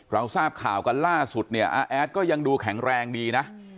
เราทราบข่าวกันล่าสุดเนี่ยอาแอดก็ยังดูแข็งแรงดีนะ